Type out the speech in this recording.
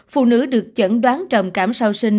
phụ nữ được chẩn đoán trầm cảm sau sinh